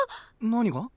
何が？